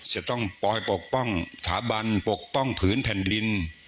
จะต้องปลอยปกป้องสถาบันปกป้องผืนแผ่นดิน